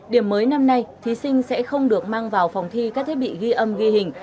điểm mới năm nay thí sinh sẽ không được mang vào phòng thi các thiết bị ghi âm ghi hình